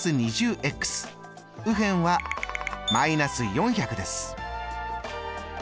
右辺はー４００です。